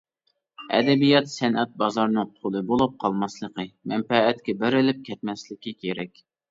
ئەدەبىيات-سەنئەت بازارنىڭ قۇلى بولۇپ قالماسلىقى، مەنپەئەتكە بېرىلىپ كەتمەسلىكى كېرەك.